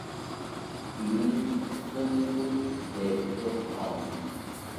তিনি অত্যন্ত ব্যথিত হন।